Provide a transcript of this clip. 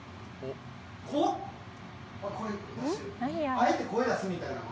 ・・あえて声出すみたいなんは？